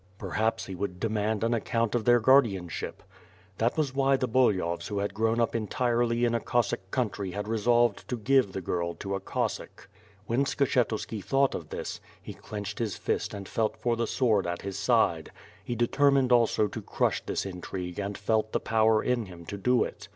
Perhaps he would demand an account of their guardianship. 64 ^ITH FIRE AND SWORD. That was why the Bulyhovs who had grown up entirely in a Cossack country had resolved to give the girl to a Cossack. When Skshetuski thought of this, he clenched his fist and felt for the sword at his side. He determined also to crush this intrigue and felt the power in him to do it.